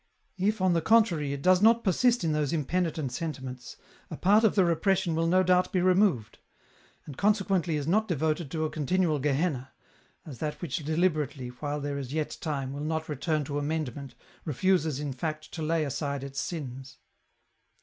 " If, on the contrary, it does not persist in those im penitent sentiments, a part of the repression will no doubt be removed ; and consequently is not devoted to a con tinual gehenna, as that which deliberately, while there is yet time, will not return to amendment, refuses in fact to lay aside its sins.